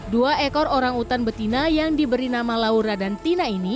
dua ekor orang utan betina yang diberi nama laura dan tina ini